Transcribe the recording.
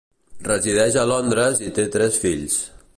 Resideix a Londres i té tres fills.